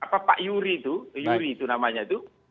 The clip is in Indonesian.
pak pak yury itu yury itu namanya itu